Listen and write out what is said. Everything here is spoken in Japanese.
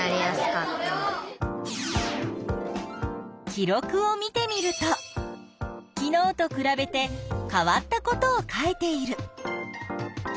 記録を見てみると昨日とくらべて変わったことを書いている。